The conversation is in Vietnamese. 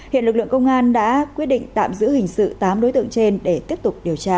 hiện lực lượng công an đã quyết định tạm giữ hình sự tám đối tượng trên để tiếp tục điều tra